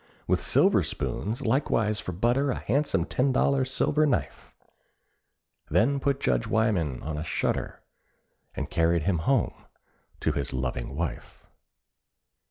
With silver spoons; likewise for butter A handsome ten dollar silver knife; Then put Judge Wyman on a shutter, And carried him home to his loving wife.